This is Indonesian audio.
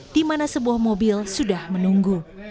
di mana sebuah mobil sudah menunggu